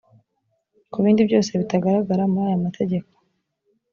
ku bindi byose bitagaragara muri aya mategeko